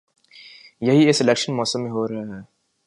یہی اس الیکشن موسم میں ہو رہا ہے۔